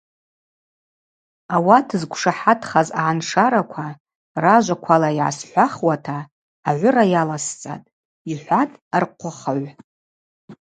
Ауат зквшахӏатхаз агӏаншараква ражваквала йгӏасхӏвахуата агӏвыра йаласцӏатӏ, – йхӏватӏ архъвыхыгӏв.